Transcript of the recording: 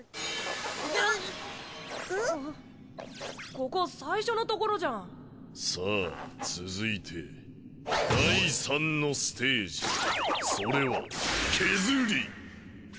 ここ最初のところじゃんさあ続いて第３のステージそれはケズり？